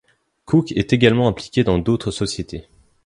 Coucke est également impliqué dans d'autres sociétés.